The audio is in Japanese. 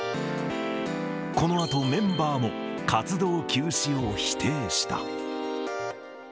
このあと、メンバーも活動休止を否定した。